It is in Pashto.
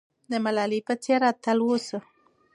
د ملالۍ په څېر اتل اوسه.